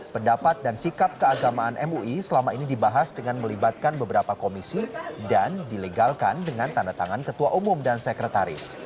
pendapat dan sikap keagamaan mui selama ini dibahas dengan melibatkan beberapa komisi dan dilegalkan dengan tanda tangan ketua umum dan sekretaris